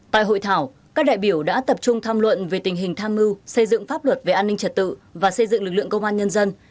tại hội thảo các đại biểu đã tập trung tham luận về tình hình tham mưu xây dựng pháp luật về an ninh trật tự và xây dựng lực lượng công an nhân dân